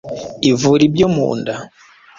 ivura ibyo mu nda